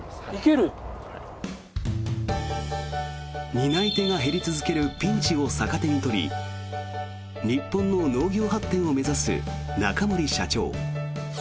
担い手が減り続けるピンチを逆手に取り日本の農業発展を目指す中森社長。